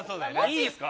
いいですか？